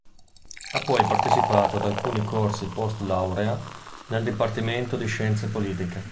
Ha poi partecipato ad alcuni corsi post-laurea nel dipartimento di scienze politiche.